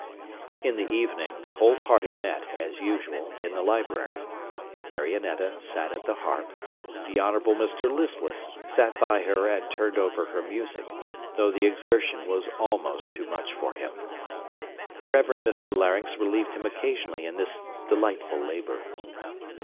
In the evening, the whole party met, as usual, in the library. Marionetta sat at the harp; the Honourable Mr Listless sat by her and turned over her music, though the exertion was almost too much for him. The Reverend Mr Larynx relieved him occasionally in this delightful labour.